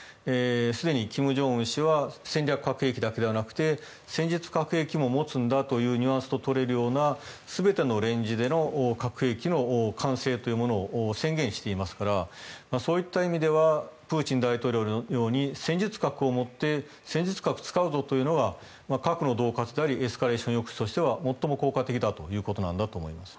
すでに金正恩氏は戦略核兵器だけではなくて戦術核兵器も持つんだというニュアンスと取れるような全てのレンジでの核兵器の開発を宣言していますからそういった意味ではプーチン大統領のように戦術核を持って戦術核を使うぞというのは核のどう喝でありエスカレーション抑止としては最も効果的なんだということだと思います。